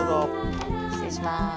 失礼します。